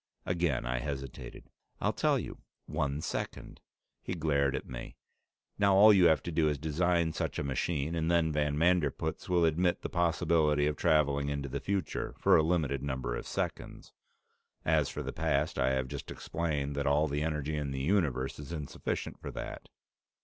Again I hesitated. "I'll tell you. One second!" He glared at me. "Now all you have to do is to design such a machine, and then van Manderpootz will admit the possibility of traveling into the future for a limited number of seconds. As for the past, I have just explained that all the energy in the universe is insufficient for that."